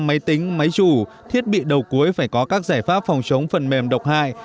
một trăm linh máy tính máy chủ thiết bị đầu cuối phải có các giải pháp phòng chống phần mềm độc hại